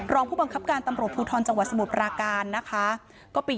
รองผู้บังคับการตำรวจภูทรจังหวัดสมุทรปราการนะคะ